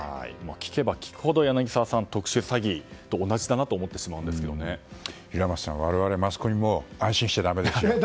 聞けば聞くほど、柳澤さん特殊詐欺と同じだなと平松さん、我々マスコミも安心しちゃだめですよ。